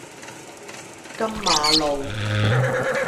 金馬路